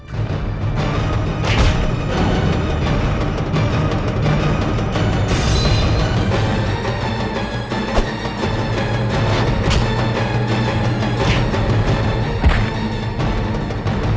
kita sudah berhenti